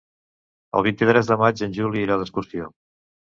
El vint-i-tres de maig en Juli irà d'excursió.